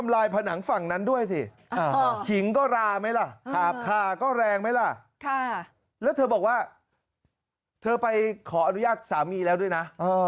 แล้วเธอบอกว่าเธอไปขออนุญาตสามีแล้วด้วยนะ